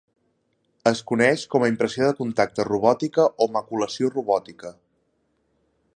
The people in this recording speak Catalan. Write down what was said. Es coneix com a impressió de contacte robòtica o maculació robòtica.